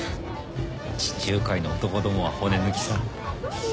地中海の男どもは骨抜きさ。